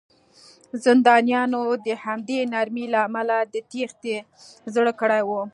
زندانیانو د همدې نرمۍ له امله د تېښتې زړه کړی و